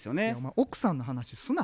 奥さんの話すな。